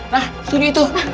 nah setuju itu